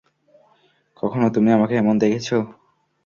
কখনও তুমি আমাকে এমন দেখেছো?